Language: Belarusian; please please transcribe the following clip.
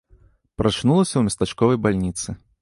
Прачнулася ў местачковай бальніцы.